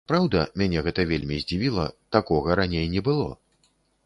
Праўда, мяне гэта вельмі здзівіла, такога раней не было.